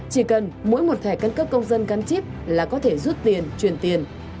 chỉ cần mỗi một thẻ căn cước công dân gắn chip là có thể rút tiền truyền tiền